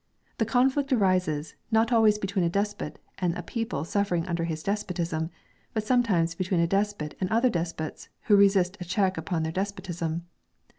The conflict arises, not always between a despot and a people suffering under his despotism, but sometimes between a despot and other despots who resist a check upon their despotism.